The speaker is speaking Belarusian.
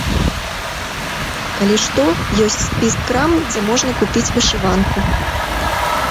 Калі што, ёсць спіс крам, дзе можна купіць вышыванку.